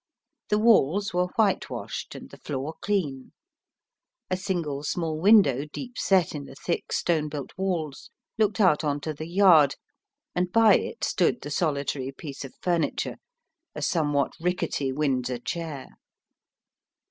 The walls were whitewashed, and the floor clean. A single small window, deep set in the thick stone built walls, looked out on to the yard, and by it stood the solitary piece of furniture, a somewhat rickety Windsor chair.